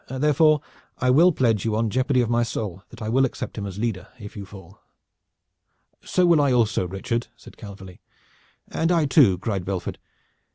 Therefore, I will pledge you on jeopardy of my soul that I will accept him as leader if you fall." "So will I also, Richard," said Calverly. "And I too!" cried Belford.